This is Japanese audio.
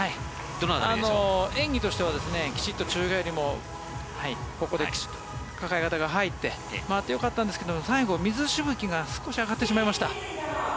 演技としてはきちんと宙返りもここで抱え型が入ってよかったんですが最後は水しぶきが少し上がってしまいました。